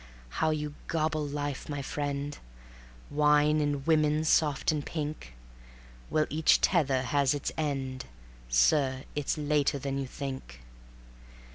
How you gobble life, my friend; Wine, and woman soft and pink! Well, each tether has its end: Sir, it's later than you think.